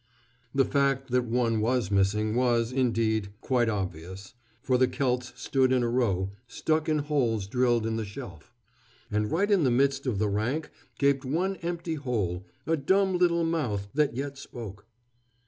The fact that one was missing was, indeed, quite obvious, for the celts stood in a row, stuck in holes drilled in the shelf; and right in the midst of the rank gaped one empty hole, a dumb little mouth that yet spoke.